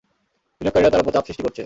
বিনিয়োগকারীরা তার উপর চাপ সৃষ্টি করছে।